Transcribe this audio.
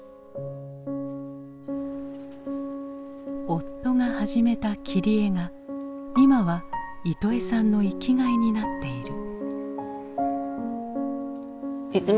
夫が始めた切り絵が今はイトエさんの生きがいになっている。